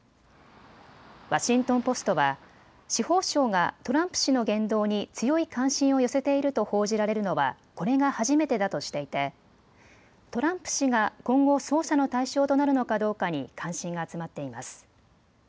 ワシントン・ポストは司法省がトランプ氏の言動に強い関心を寄せていると報じられるのはこれが初めてだとしていてトランプ氏が今後、捜査の対象となるのかどうかに関心が集まっています。